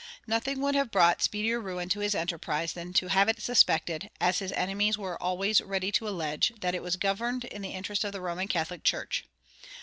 Nothing would have brought speedier ruin to his enterprise than to have it suspected, as his enemies were always ready to allege, that it was governed in the interest of the Roman Catholic Church.